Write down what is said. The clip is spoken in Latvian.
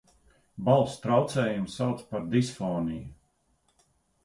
Balss trauc?jumu sauc par disfoniju